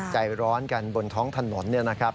ใจร้อนกันบนท้องถนนเนี่ยนะครับ